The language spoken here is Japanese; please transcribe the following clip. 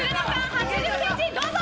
８０ｃｍ、どうぞ！